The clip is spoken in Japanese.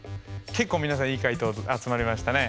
結構皆さんいい解答集まりましたね。